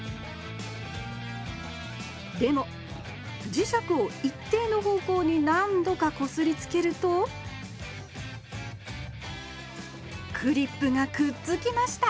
でも磁石を一定の方向に何度かこすりつけるとクリップがくっつきました。